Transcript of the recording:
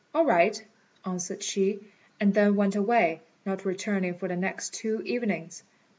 "All right," answered she, and then went away, not returning for the next two evenings.